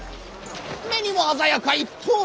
目にも鮮やか一刀両断！